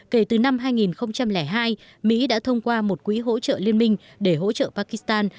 kể từ năm hai nghìn hai mỹ đã thông qua một quỹ hỗ trợ liên minh để hỗ trợ pakistan